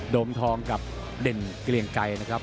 มทองกับเด่นเกลียงไกรนะครับ